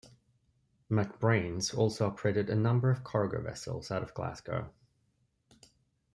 MacBrayne's also operated a number of cargo vessels out of Glasgow.